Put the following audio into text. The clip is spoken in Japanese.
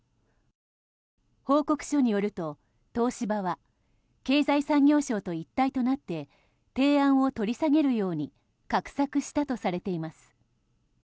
報告書によると、東芝は経済産業省と一体となって提案を取り下げるように画策したとされています。